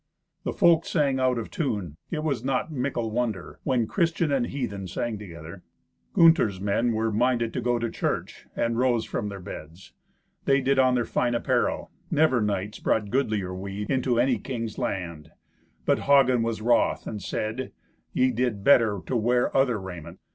The folk sang out of tune: it was not mickle wonder, when Christian and heathen sang together. Gunther's men were minded to go to church, and rose from their beds. They did on their fine apparel—never knights brought goodlier weed into any king's land. But Hagen was wroth, and said, "Ye did better to wear other raiment.